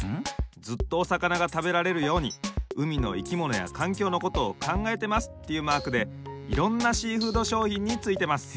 ずっとおさかながたべられるように海のいきものやかんきょうのことをかんがえてますっていうマークでいろんなシーフードしょうひんについてます。